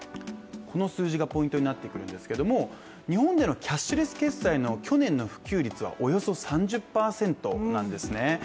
この数字がポイントになってくるんですけども日本でのキャシュレス決済の普及率はおよそ３０％なんです。